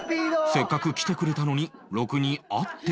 せっかく来てくれたのにろくに会ってこず